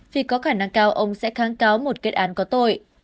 vì có khả năng cao ông sẽ kháng cáo một kết án có tội